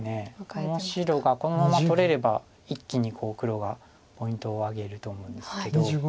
この白がこのまま取れれば一気に黒がポイントを挙げると思うんですけど。